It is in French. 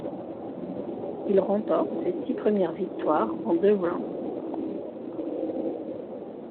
Il remporte ses six premières victoires en deux rounds.